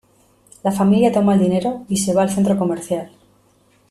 La familia toma el dinero y se va al centro comercial.